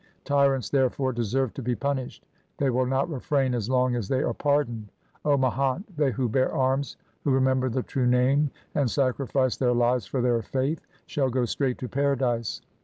Tyrants therefore deserve to be punished. They will not refrain as long as they are pardoned. O Mahant, they who bear arms, who remember the true Name and sacrifice their lives for their faith, shall go straight to paradise.